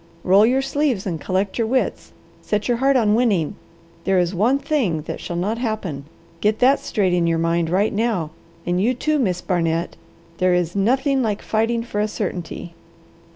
Roll your sleeves and collect your wits. Set your heart on winning. There is one thing shall not happen. Get that straight in your mind, right now. And you too, Miss Barnet! There is nothing like fighting for a certainty.